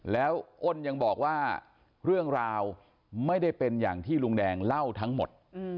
แล้วอ้นยังบอกว่าเรื่องราวไม่ได้เป็นอย่างที่ลุงแดงเล่าทั้งหมด